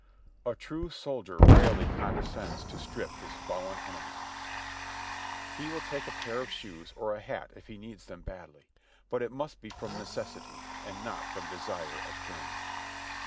A true soldier rarely conde scends to strip his fallen enemies ; he will take a pair of shoes or a hat if he needs them badly, but it must be from necessity and not from desire of gain.